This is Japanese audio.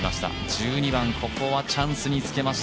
１２番、ここはチャンスにつけました。